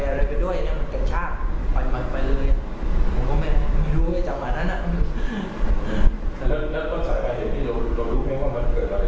มันไม่ต้องการทำหลักร้ายผมไม่เข้าใจง่ายแบบผิดคนบอกไม่รู้ว่า